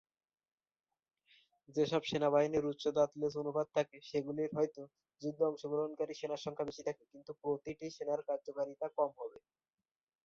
যেসব সেনাবাহিনীর উচ্চ দাঁত-লেজ অনুপাত থাকে, সেগুলির হয়ত যুদ্ধে অংশগ্রহণকারী সেনার সংখ্যা বেশি থাকে, কিন্তু প্রতিটি সেনার কার্যকারিতা কম হবে।